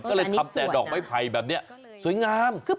ก็เลยทำแต่ดอกไม้ไผ่แบบนี้สวยงาม